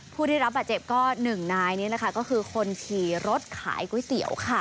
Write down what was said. ผู้ที่รับบาดเจ็บก็๑นายนี้นะคะก็คือคนขี่รถขายก๋วยเตี๋ยวค่ะ